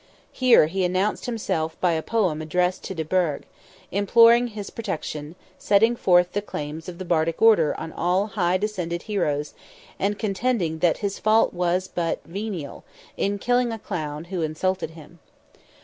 Here he announced himself by a poem addressed to de Burgh, imploring his protection, setting forth the claims of the Bardic order on all high descended heroes, and contending that his fault was but venial, in killing a clown, who insulted him.